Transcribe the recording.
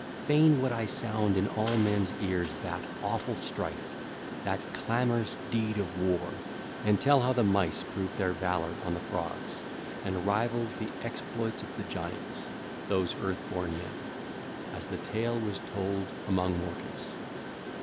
Fain would I sound in all men's ears that awful strife, that clamorous deed of war, and tell how the Mice proved their valour on the Frogs and rivalled the exploits of the Giants, those earth born men, as the tale was told among mortals.